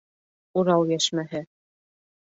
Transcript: Урал йәшмәһе.